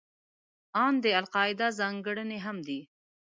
ان دا د القاعده ځانګړنې هم دي.